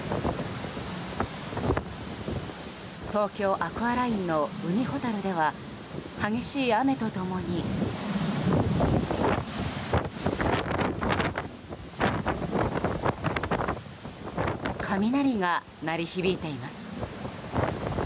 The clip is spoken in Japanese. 東京湾アクアラインのうみほたるでは激しい雨と共に雷が鳴り響いています。